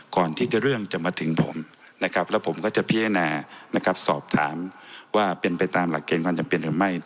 ก่อนที่เรื่องจะมาถึงผมนะครับแล้วผมก็จะพิจารณานะครับสอบถามว่าเป็นไปตามหลักเกณฑ์ความจำเป็นหรือไม่